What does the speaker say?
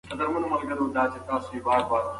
تازه څېړنیز مواد په اسانۍ سره راټولېدای شي.